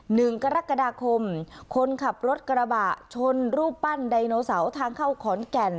หนึ่งกรกฎาคมคนขับรถกระบะชนรูปปั้นไดโนเสาร์ทางเข้าขอนแก่น